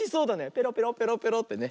ペロペロペロペロってね。